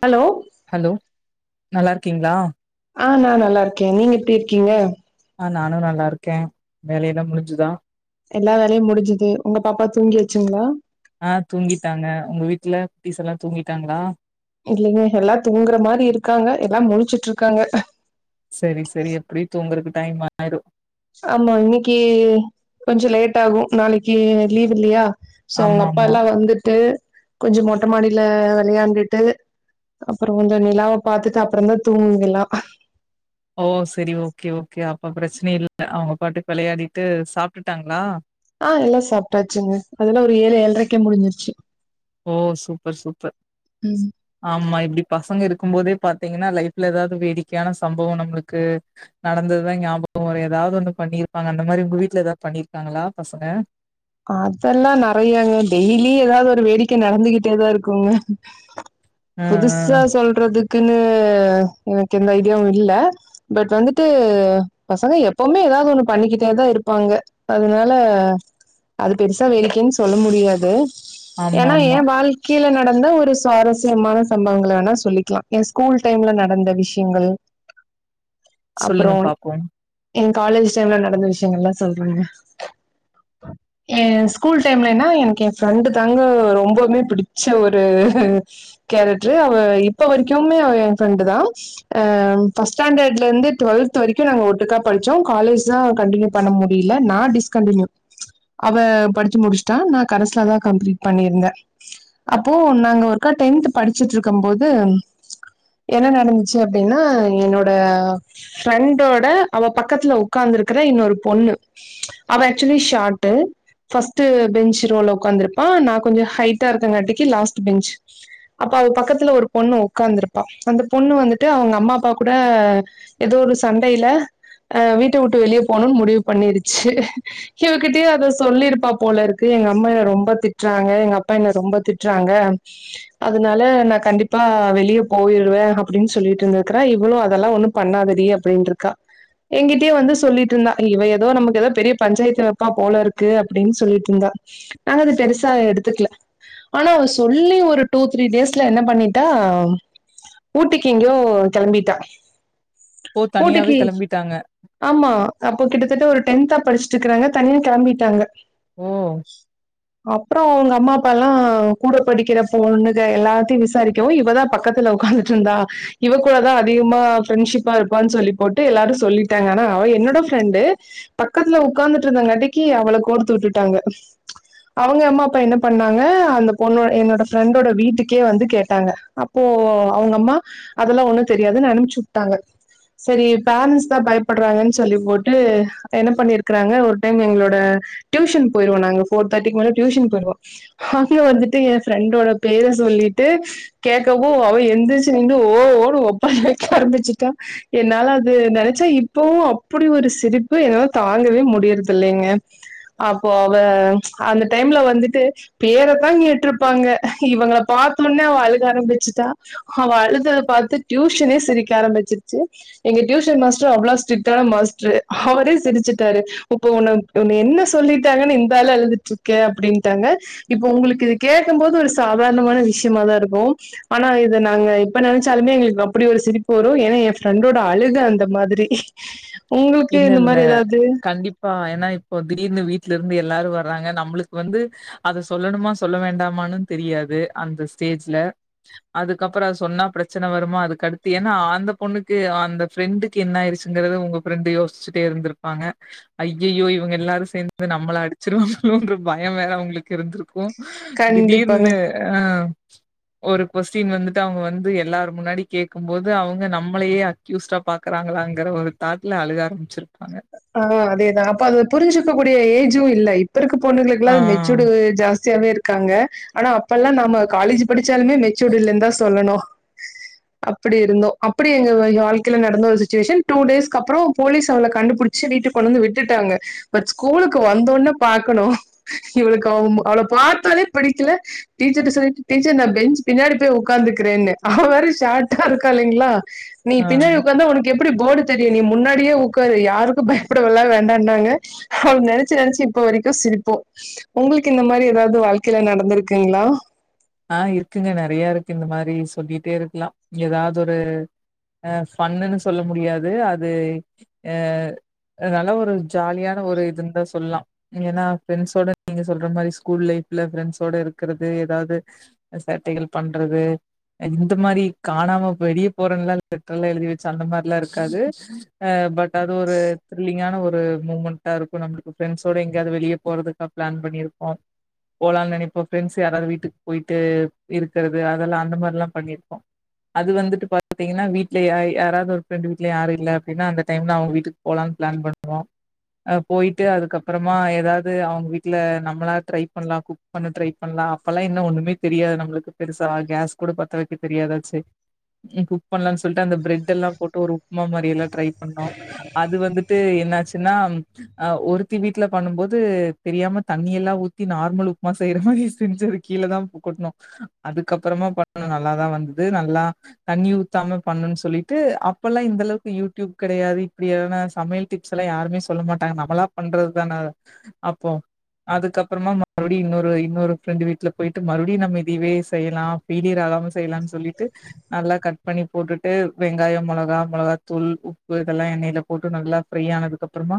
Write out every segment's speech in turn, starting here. Hello நல்லாருக்கீங்ளா ஆ நா நல்லாருக்கே நீங்க எப்டி இருக்கீங்க ஆ நானு நல்லாருக்கே வேலையெல்லா முடிஞ்சுதா எல்லா வேலையு முடிஞ்சுது உங்க பாப்பா தூங்கிருச்சுங்ளா ஆ தூங்கிட்டாங்க உங்க வீட்ல குட்டிஸ்எல்லா தூங்கிட்டாங்ளா இல்லைங்க எல்லா தூங்குற மாரி இருக்காங்க எல்லா முழிச்சிட்ருக்காங்க சரி சரி எப்டியு தூங்குறதுக்கு டைம் ஒன்னு ஆயிரு ஆமா இன்னைக்கு கொஞ்சோ லேட் ஆகு நாளைக்கு லீவ் இல்லயா சோ அவுங்க ஆமா அப்பா ஆமா எல்லா வந்துட்டு கொஞ்ச மொட்ட மாடியில விளையாண்டுட்டு அப்றோ வந்து நிலாவ பாத்துட்டு அப்றந்தா தூங்குங்க எல்லா ஓ சரி ஓகே ஓகே அப்ப பிரச்சனை இல்ல அவங்க பாட்டு விளையாடிட்டு சாப்ட்டுடாங்களா ஆ எல்லா சாப்டாச்சுங்க அதெல்லா ஒரு ஏழு ஏழ்ரைக்கே முடிஞ்சிருச்சு ஓ சூப்பர் சூப்பர் ஆமா இது இப்டி பசங்க இருக்கும் போதே பாத்தீங்கனா லைஃப்ல எதாவது வேடிக்கையான சம்பவோ நம்ளுக்கு நடந்ததுதான் ஞா ஏதாவது ஒண்ணு பண்ணிருப்பாங்க அந்த மாரி உங்க வீட்ல ஏதாவது பண்ணிருக்காங்களா பசங்க அதெல்லா நெறையாங்க டெய்லி ஏதாவது ஒரு வேடிக்கை நடந்துகிட்டேதா இருக்குங்க ஆ புதுசா ஆ சொல்றது க்குனு எனக்கு எந்த ஐடியாவு இல்ல பட் வந்துட்டு பசங்க எப்பவுமே எதாவது ஒண்ணு பண்ணிக்கிட்டே தா இருப்பாங்க அதனால அது பெருசா வேடிக்கைன் சொல்ல முடியாது ஆமா ஏன்னா ஆமா ஏன் வாழ்க்கையில நடந்த ஒரு சுவாரஸ்யமான சம்பவங்கள வேணா சொல்லிக்கலா என் ஸ்கூல் டைம்ல நடந்த விஷயங்கள் அப்புறோ சொல்லுங்க பாப்போம் எ காலேஜ் டைம்ல நடந்த விஷயங்கள் எல்லா சொல்றேங்க எ ஸ்கூல் டைம்லனா எனக்கு ஏ ஃப்ரெண்டு தாங்க ரொம்பவுமே பிடிச்ச ஒரு கேரக்ட்ரு அவ இப்ப வரைக்குமே அவ எ ஃப்ரெண்டு தா அ ஃபஸ்ட் ஸ்டாண்டர்ட்ல இருந்து டுவல் டுவல்த் வரைக்கு நாங்க ஒட்டுக்கா படிச்சோ காலேஜ் தா கண்டினியூ பண்ண முடியல நா டிஸ்கண்டினியூ அவே படிச்சு முடிச்சுட்டா நா கரஸ்ல தா கம்ப்ளீட் பண்ணிருந்தே அப்போ நாங்க ஒர்க்கா டென் [unintelligible] படிச்சிட்டு இருக்கும் போது என்ன நடந்துச்சு அப்டினா என்னோட ஃபிரெண்டோட அவ பக்கத்துல உட்கார்ந் இருக்குற இன்னொரு பொண்ணு அவ ஆச்சுலி ஷார்ட் ஃபர்ஸ்ட் பெஞ்ச் ரோல உட்காந்துருப்பா நான் கொஞ்சோ ஹைட்டா இருக்கங்காட்டிக்கு லாஸ்ட் பெஞ்ச் அப்ப பக்கத்துல ஒரு பொண்ணு உட்காந்துருப்பா அந்த பொண்ணு வந்துட்டு அவங்க அம்மா அப்பா கூட ஏதோ ஒரு சண்ட இடையில அ வீட்ட விட்டு வெளியே போனும்னு முடிவு பண்ணிருச்சு இவ கிட்டே அதை சொல்லிருப்பா போல இருக்கு எங்க அம்மா என்ன ரொம்ப திட்றாங்க எங்க அப்பா என்ன ரொம்ப திட்றாங்க அதனால நா கண்டிப்பா வெளியே போயிடுவே அப்டின்னு சொல்லிட்டு இருந்துருக்கே இவ்ளு அதெல்லா ஒண்ணு ப பண்ணாதடி அப்டிண்ருக்கா எங்கிட்டயே வந்து சொல்லிட்டு இருந்தா இவ ஏதோ நமக்கு ஏதோ பெரிய பஞ்சாயத்து அப்பா போல இருக்கு அப்டின்னு சொல்லிட்டு இருந்தா நாங்க அது பெருசா எடுத்துக்கல ஆனா அவ சொல்லி ஒரு டூ த்ரீ டேஸ்ல என்ன பண்ணிட்டா ஊட்டிக்கு எங்கயோ கெளம்பிட்டா ஓ தனியாவே ஊட்டிக்கு கெளம்பிட்டாங்க ஆமா அப்போ கிட்டத்தட்ட ஒரு டென்த்தா படிச்சுட்டு இருக்குறாங்க தனியா கெளம்பிட்டாங்க ஓ அப்றோ அவங்க அம்மா அப் [inaudible] தனி அப்பலா கூட படிக்கிற பொண்ணுங்க எல்லாத்தையு விசாரிக்கவு இவதா பக்கத்துல உட்காந்துட்டு இருந்தா இவ கூடதா அதிகமா ஃப்ரெண்ட்ஷிப்பா இருப்பான்னு சொல்லி போட்டு எல்லாரு சொல்லிட்டாங்க ஆனா அவே என்னோட ஃப்ரெண்டு பக்கத்துல உட்காந்துட்டு இருந்தாங்காட்டிக்கு அவள கோர்த்து விட்டுட்டாங்க அவுங்க அம்மா அப்பா என்ன பண்ணாங்க அந்த பொண்ணு என்னோட ஃப்ரெண்டோட வீட்டுக்கே வந்து கேட்டாங்க நா போ அவுங்க அம்மா அதெல்லா ஒண்ணு தெரியாதுன்னு நெனைச்சு விட்டாங்க சரி பேரன்ஸ் தா பயப்றாங்கனு சொல்லி போட்டு என்ன பண்ணிருக்குறாங்க ஒரு எங் எங்ளோட டியூஷன் போயிருவோ நாங்க ஃபோர் தேர்ட்டிக்கு மேல டியூஷன் போயிருவோ அங்க வந்துட்டு எ ஃபிரெண்ட் ண்டோட பெயர சொல்லிட்டு கேக்கப்போ அவ எந்திரிச்சு நின்டு ஓ ஓன்னு ஒப்பாரி வச் சிதா என்னால அது நெனச்சா இப்பவு அப்படி ஒரு சிரிப்பு என்னால தாங்கவே முடியர்து தில்லைங்க அப்போ அவ அந்த டைம்ல வந்துட்டு பேர தாங் கேட்டுருப்பாங்க. க இவங்கள பாத்தமுன்ன அவ அழுக ஆரம்பிச்சுட்டா அவ அழுதத பாத்து டியூஷனே சிரிக்க ஆரம் ன்ன சிரிச்சு எங்க டியூஷன் மாஸ்டர் அவ்ளோ ஸ்டிரிட்டான மாஸ்ட்ரு அவரே சிரிச்சுட்டாரு. இப்ப ஒன்ன ஒன்ன என்ன சொல்லிட்டாங்கன்னு இந்தழு அழுதிட்டுருக்கே அப்டின்ட்டாங்க இப்ப உங்களுக்கு இது கே க்கம் போது ஒரு சாதாரணமான விஷ்யமாதா இருக்கும் ஆனா இத நாங்க இப்ப நெனச்சாலுமே எங்களுக்கு அப்படி ஒரு சிரிப் பு வரு ஏன்னா எ ஃப்ரெண்டோட அழுக அந்த மாதிரி உங்களுக்கு இந்த இல்லல்ல மாரி ஏதாவது கண்டிப்பா அனா இப்போ திடீர்னு வீட்ல இருந்து எல்லாரு வர்றாங்க நம்மளுக் வந்து அத சொல்லணுமா சொல்ல வேண்டாமானு தெரி ரியாது அந்த ஸ்டேஜ்ல அதுக்கப்பறோ அத சொன்னா பிரச்சன வருமா அதுக்கடுத்து ஏன்னா அந்த பொண்ணுக்கு அந்த ஃபிரெண்டுக்கு என்ன ஆயிருச்சுங்கிறது உங்க ஃப்ரண்டு யோசிச்சுட்டே இருந்திருப்பாங்க ஐயயோ இவங்க எல்லாரு சேந்து நம்மள அடிச்சுருவாங்களோன்ற பயம் வேற அவங்களுக்கு இருந்திருக்கு கண்டிப்பாங்க திடீர்னு அ ஒரு கொஸ்டின் வந்துட்டு அவங்க வந்து எல்லாரும் முன்னாடி கேட்கும் போது அவங்க நம்மளையே அக்யூஸ்டா பாக்கறாங்களாங்கிற ஒரு தாட் ட்ல அழுக ஆரம்பிச்சிரு ஆ அதேதா அப்ப அத புரிஞ்சுக்க கூடிய ஏஜு இல்ல இப் இப்ப இருக்க பொண்ணுங்க ஆ எல்லா மெச்சூடு ஜாஸ்தியாவே இருக்காங்க ஆனா அப்பெல்லா நாம காலேஜ் படி ச்சாலூமே மெச்சூடு இல்லன்தா சொல்லணு [inaudible] அப்படி இருந்தோ அப்படி எங்க வெ எ வாழ்கையில நடந்த ஒரு சிச்சுவேஷன் டூ டேஸ்க்கப்பறொ போலீஸ் அவள கண்டு புடிச்சு வீட்டு கொண்டு வந்து விட்டுட்டாங்க பட் ஸ்கூலுக்கு வந்தோன பாக்கணு கிவளுக்கு அவங் ம அவள பாத்தாலே படிக்கல டீச்சர்ட்ட சொல்லிட்டு டீச்சர் நா பெஞ்ச் பின்னாடி போய் உக்காந்துக்கிறேனு அவ வேற ஷார்ட்டா இருக்கா இல்லைங்ளா நீ ஆ பின்னாடி உக்கார்ந்தா ஒனக்கு எப்படி போர்டு தெரியுமன நீ முன்னாடியே உக்காரு யாருக் கு பயப்படவெல்லா வேண்டான்னாங்க அவ நெனச்சு நெனச்சு இப்ப வரைக்கு சிரிப்போ உங்களுக்கு இந்த மாரி ஒரு எதாவ்து வாழ்க்கைல நடந்திருக்குங்ளா? ஆ இருக்குங்க நெறயா இருக்கு இந்த மாரி சொல்லிட்டே இருக்கலா எதாவ்து ஒரு அ ஃபன்னுனு சொல்ல முடியாது அது அ அ நல்ல ஒரு ஜாலியான ஒரு இதுன்னுதா சொல்லலா ஏனா ஃப்ரெண்ட்ஸோட நீங்க சொல்ற மாரி ஸ்கூல் லைஃப் ல ஃப்ரெண்ட்ஸோட இருக்குறது எதாவ்து அ சேட்டைகள் பண்றது இந்த மாரி காணாம வெளிய போறேன்லா லெட்டர்ல எழுதி வச்சு அந்த மார்ல்லா இருக்காது அ பட் அது ஒரு திரில்லிங்கான ஒரு மூமெண்டா இருக்கு நம்மள்க்கு ஃபிரண்ட்ஸோட எங்காவ்து வெளியே போறதுக்காக பிளான் பண்ணியிருப்போ போலான் நெனைப்போ ஃப்ரெண்ட்ஸ் யாராது வீட்டுக் போயிட்டு இருக்குறது அதெல்லா அந்த மார்ல்லா பண்ணிருக்கோ அது வந்துட்டு பாத்தீங்கன்னா வீட்ல யா யாராவ்து ஒரு ஃப்ரெண்டு வீட்ல யாரு இல்ல அப்டின்னா அந்த டைம்ல அவங்க வீட்டுக்கு போலான் ப்ளான் பண்ணுவோ அ போயிட்டு அதுக்கப்புறமா எதாவ்து அவங்க வீட்ல நம்மளா ட்ரை பண்ணலா குக் பண்ண ட்ரை பண்ணலா அப்பல்லா என்ன ஒன்னுமே தெரியாது நம்மளுக்கு பெருசா அ கேஸ் கூட பத்த வைக்க தெரியாதாச்சே எ குக் பண்ணலான் சொல்ட்டு அந்த பிரெட் எல்லா போட்டு ஒரு உப்புமா மாரி எல்லா ட்ரை பண்ணோ அது வந்துட்டு என்னாச்சுன்னா அ ஒருத்தி வீட்ல பண்ணும் போது தெரியாம தண்ணி எல்லா ஊத்தி நார்மல் உப்மா செய்ற மாரியே செஞ்சுருக் கீழதா கொட்னோ அதுக்கப்புறமா பண்ணுனோ நல்லாதா வந்துது நல்லா தண்ணி ஊத்தாம பண் ணுன் சொல்லிட்டு அப்பெல்லா இந்த அளவுக்கு யூடியூப் கெடையாது இப்டி எதனா சமையல் டிப்ஸ்ஸெல்லா யாருமே சொல்ல மாட்டாங்க நம் நம்மளா பண்றது தான அப்போ அதுக்கப்பறமா மறுபடியு இன்னோரு இன்னோரு ஃப்ரண்டு வீட்ல போயிட்டு மறுடியு நம்ம இதைவே செய்யலா ஃபெயிலியர் ஆகாம செய்யலான்னு சொல்லிட்டு நல்லா கட் பண்ணி போட்டுட்டு வெங்காயம் மொளகா மொளகா தூள் உப்பு இதெல்லா எண்ணெயில போட்டு நல்லா ஃப்ரை ஆனதுக்கப்புறமா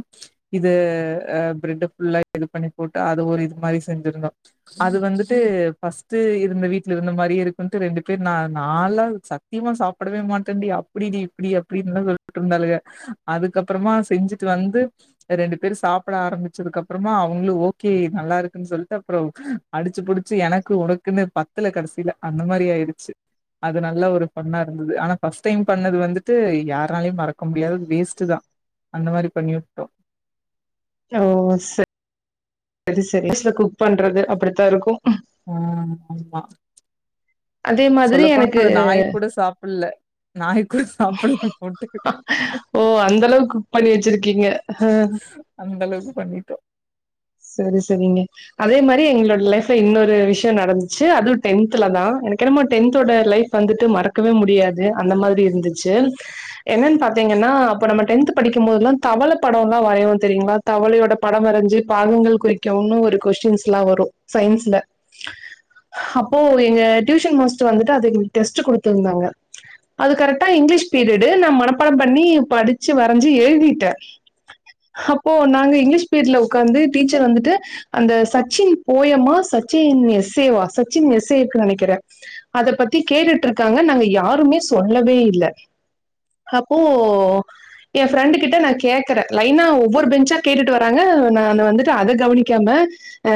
இது அ பிரெட்ட ஃபுல்லா இது பண்ணி போட்டு அத ஒரு இது மாரி செஞ்சிருந்தோ அது வந்து ட்டு ஃபஸ்ட்டு இருந்த வீட்ல இருந்த மாரியே இருக்குன்ட்டு ரெண்டு பேர் ந நாலா சத்தியமா சாப்படவே மாட்டேன்டி அப்டிடி இப்டி அப்டின்னுலா சொல்லிட்டு இருந்தாலுக அதுக்கப்புறமா செஞ்சுட்டு வந்து ரெண்டு பேரு சாப்புட ஆரம்பிச்சதுக்கப்றமா அவங்களு ஓகே நல்லா இருக்குன்னு சொல்ட்டு அப்பறோ அடிச்சு புடு சு எனக்கு உனக்குன்னு பத்தல கடசியில அந்த மாரி ஆயிடுச்சு அது நல்ல ஒரு ஃபன்னா இருந்தது ஆனா ஃபர்ஸ்ட் டைம் பண்ணது வந்துட்டு யாராலயு மறக்க முடியாது வேஸ்ட் தா அந்த மாரி பண்ணிவுட்டோ ஓ சரி சரி சரி சுல குக் பண்றது அப்டித்தா இருக்கும் ஆ ஆமா அதே மாதிரி சொல்லப்போனா எனக்கு அது நாயி குடா சாப் பல்ல நாய் கூட சாப்பல்ல போட்டு ஓ அந்த அளவுக்கு குக் பண்ணி வச்சிருக்கீங்க அந்த அளவுக்கு பண்ணிட்டோ சரி சரிங்க அதே மாரி எங்களோட ஃலைப்ல இன்னொரு விஷயோ நடந்துச்சு அதுவு டென்த்ல தா எனக்கு என்னமோ டென்த்தோட ஃலைப் வந்துட்டு மறக்கவே முடியாது அந்த மாதிரி இருந்துச்சு என்னன்னு பாத்தீங்க கன்னா அப்ப நம்ம டென்த் படிக்கும் போதுல்லா தவள படோ எல்லா வரையுவோ தெரியுங்களா தவளையோட படம் வரஞ்சு பாகங்கள் குறிக்கவும் ஒரு கொஸ்டின்ஸ் எல்லா வரும் சயின்ஸ்ல அப்போ எங்க டியூஷன் மாஸ்டர் வந்துட்டு அதுக்கு டெஸ்ட் குடுத்துருந்தாங்க அது கரெக்டா இங்கிலீஷ் பீரியடு நான் மனப்படம் பண்ணி படிச்சு வரைஞ்சு எழுதிட்டேன் அப்போ நாங்க இங்கிலீஷ் பீரியடுல உக்காந்து டீச்சர் வந்துட்டு அந்த சச்சின் போயமா சச்சின் எஸ்ஸேவா சச்சின் எஸ்ஸே கு நெனைக்கிறே அத பத்தி கேட்டுட்ருக்காங்க நாங்க யாருமே சொல்லவே இல்ல அப்போ எ ஃரெண்டு கிட்ட நா கேக்குறே லைனா ஒவ்வொரு பெஞ்சா கேட்டுட்டு வராங்க நா நாங்க வந்துட்டு அத கவனிக்காம அ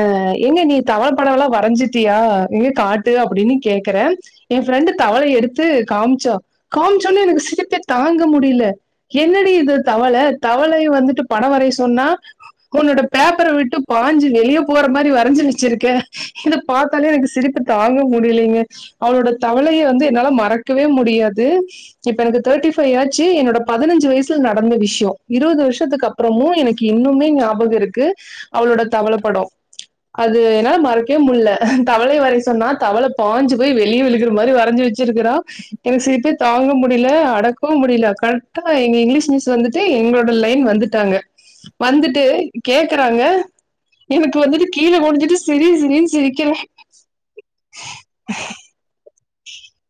எங்க நீ தவள படல்லா வரஞ்சிட்டியா எங்க காட்டு க அப்டின்னு கேக்குறே என் ஃபிரெண்டு தவளை எடுத்து காமிச்சா காமிச்ச ஒன்னே எனக்கு சிரிப்பே தாங்க ங்க முடியல என்னடி இது தவள தவளைய வந்துட்டு படம் வரைய சொன்னா உன்னோட பேப்பர விட்டு பாஞ்சு வெளிய போற மாரி வரஞ்சு வச்சிருக்க இத பாத்தாலே எனக்கு சிரிப்புதா தாங்க முடியலைங்க அவளோட தவளைய வந்து என்னால மறக்கவே முடியாது இப்ப எனக்கு தேர்ட்டி ஃபைவ் ஆச்சு என்னோட பதினஞ்சு வயசில நடந்த விஷயோ இருபது வருஷத்துக்கு அப்புறமு எனக்கு இன்னுமே ஞாப பகோ இருக்கு அவளோட தவள படோ அது என்னால மறக்கவே முல்ல தவளைய வரையச் சொன்னா தவள பாஞ்சு போய் வெளியே விழுகுற மாரி வரஞ்சி வச்சு சிருக்கிறா எனக்கு சிரிப்பே தாங்க முடி முடியலே அடக்கவு முடியல கரெக்டா எங்க இங்கிலீஷ் மிஸ் வந்துட்டு எங்களோட லைன் வந்துட்டாங்க வந்துட்டு கேக்குறாங்க எனக்கு வந்துட்டு கீழ குனிஞ்சிட்டு சிரி சிரின்னு சிரிக்கிறே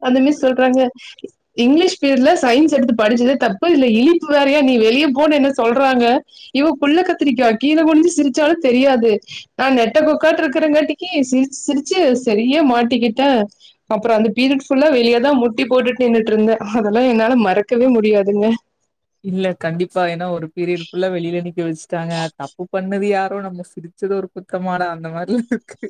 அந்த மிஸ் சொல்றாங்க இங்கிலீஷ் பீரியட்ல சயின்ஸ் எடுத்து படிச்சதே தப்பு இதுல இழிப்பு வேறையா நீ வெ வெளிய போ என்ன சொல்றாங்க இவக்குள்ள கத்திரிக்கா கீழே குடிஞ்சு சிரிச்சாலு தெரியாது நா நெ நெட்ட கொக்காட்டு இருக்கிறங்காட்டிக்கு சிரிச்சு சிரிச்சு சரியா மாட்டிக்கிட்டே அப்ரோ அந்த பீரியட்ஃபுல்லா வெளிய தான் முட்டி போட்டுட் நின்னுட்டு இருந்த அதெல்லாம் என்னால மறக் இல்ல கண்டிப்பா ஏனா ஒரு பீரியட் ஃபுல்லா வெளியில நிக்க வச்சு டாங்க தப்பு பண்ணது யாரோ நம்ப சிரிச்சத ஒரு குத்தமாடா அந்த மாரில இருக்கு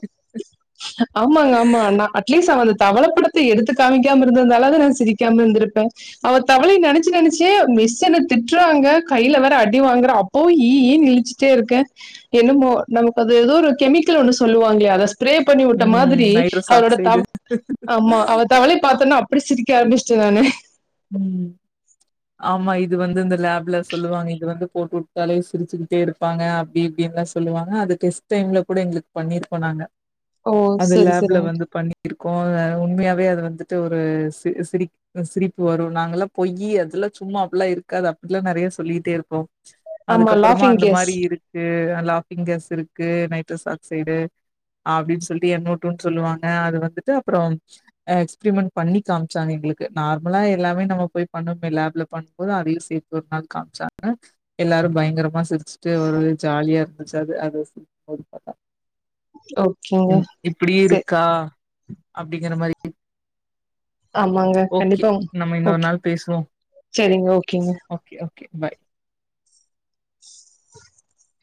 ஆமாங்க ஆமா நா அட்லீஸ் ஆவது தவலப்படத்த எடுத்து காமிக்காம இருந்திருந்தாலாவது நான் சிரிக்காம இருந்திருப்பேன் அவ தவளய நெனைச்சு நெனைச்சே மிஸ்ஸு என்ன திட்டுறாங்க கையில வேற அடி வாங்கறன் அப்போவும் ஈஈ ன்னு இளிச்சிட்டே இருக்கே என்னமோ நமக்கு அது ஏதோ ஒரு கெமிக்கல் ஒன்னு சொல்லுவாங்களா அத ஸ்ப்ரே ப பண்ணி விட்ட ம் மாதிரி நைட்ரஸ் அவரோட தவ ஆக்சைடு ஆமா அவ தவலய பாத்தோன்னே அப்டி சிரிக்க ஆரம்பிச்சிட்ட நானு ம் ஆமா இது வந்து இந்த லேப்ல சொல்லுவாங்க இது வந்து போட்டுட்டாலே சிரிச்சுக்கிட்டே இருப்பாங்க அப்டி இப்டி அப்டின்லா சொல்லுவாங்க அது டெஸ்ட் டைம்ல கூட எங்க்ளுக்கு பண்ணிருக்கோனாங்க ஓ! அது சரி, லேப்ல சரிங்க. வந்து பண்ணிருக்கோம் உண்மையாவே அது வந்து ஒரு சிரி சிரி சிரிப்து பு வரும் நாங்கல்லாம் பொய்யி அதெல்லாம் சும்மா அப்ல்லாம் இருக்காது அப்ல்லாம் நெறய சொல்லிட்டே இருப்போ ஆமா அதுக்கப்புறமா லாஃபிங் அந்த கேஸ். மாரி இருக்கு லாபிங் கேஸ் இருக்கு நைட் ரஸ் ஆக்சைடு அப்டின் சொல்லி என் ஓ டு ன்னு சொல்லுவாங்க அது வந்துட்டு அப்புற எக்ஸ்பிரிமெண்ட் பண்ணி காமிச்சாங்க எ ங்ளுக்கு நார் மலா எல்லாமே நம்ம போய் பண்னோமே லேப்ல பண்ணு போது அதயு சேர்த்து ஒரு நாள் காமிச்சாங்க எல்லாரு பயங்கர ரமா சிரிச்சுட்டு ஒரு ஜாலியா இருந்துச்சு அது அது ஓகேங்க. ம் இப்படியு சரி. இருக்கா அப்டிங்கற மாரி ஆமாங்க. ஓகே கண்டிப்பா. நம்ம இன்னொரு ஓகே. நாள் பேசுவோ சரிங்க. ஓகேங்க. Okay bye [unintelligible]